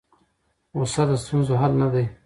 غوسه د ستونزو حل نه دی.